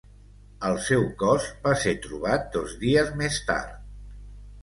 El seu cos va ser trobat dos dies més tard.